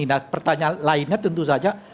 nah pertanyaan lainnya tentu saja